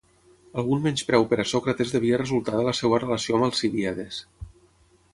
Algun menyspreu per a Sòcrates devia resultar de la seva relació amb Alcibíades.